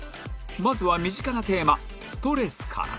まずは身近なテーマストレスから